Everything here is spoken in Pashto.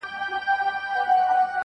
ستا شاعري گرانه ستا اوښکو وړې.